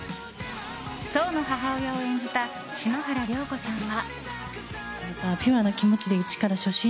想の母親を演じた篠原涼子さんは。